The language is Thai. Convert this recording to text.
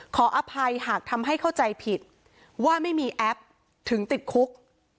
ขออภัยหากทำให้เข้าใจผิดว่าไม่มีแอปถึงติดคุก